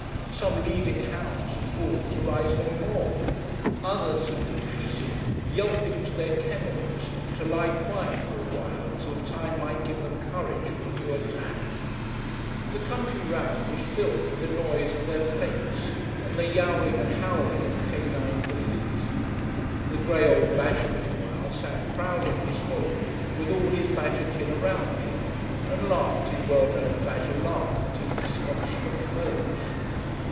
Some leading hounds had fallen to rise no more; others had retreated, yelping to their kennels, to lie quiet for a while, till time might give them courage for a new attack. The country round was filled with the noise of their plaints, and the yowling and howling of canine defeat. The grey old badger meanwhile sat proud in his hole, with all his badger kin around him, and laughed his well known badger laugh at his disconsolate foes.